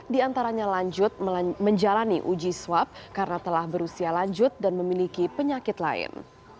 lima puluh empat diantaranya lanjut menjalani uji swab karena telah berusia lanjut dan memiliki penyakit lain